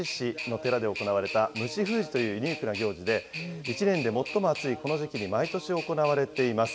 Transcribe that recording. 福岡県行橋市の寺で行われた、虫封じというユニークな行事で、１年で最も暑いこの時期に毎年行われています。